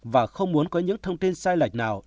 và không muốn có những thông tin sai lệch nào